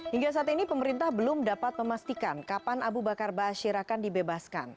hingga saat ini pemerintah belum dapat memastikan kapan abu bakar ba'asyir akan dibebaskan